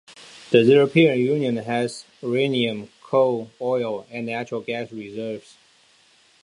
The European Union has uranium, coal, oil, and natural gas reserves.